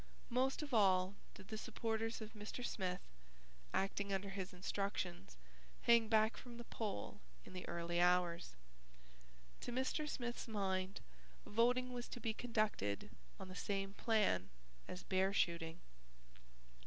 Most of all did the supporters of Mr. Smith, acting under his instructions, hang back from the poll in the early hours. To Mr. Smith's mind, voting was to be conducted on the same plan as bear shooting.